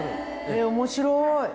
面白い！